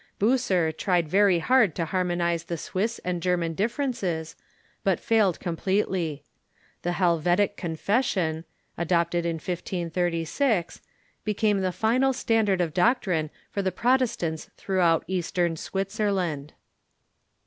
Bucer tried very hard to harmonize the Swiss and German differences, but failed completely. The Helvetic Confession, adopted in 1530, became the final standard of doctrine for the Protestants throughout Eastern Switzerland.